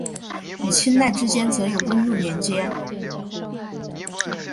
与钦奈之间则有公路连接。